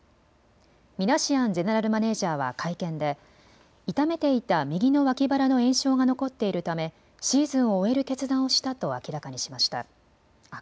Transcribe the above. ミナシアンゼネラルマネージャーは会見で痛めていた右の脇腹の炎症が残っているためシーズンを終える決断をしたと明かしました。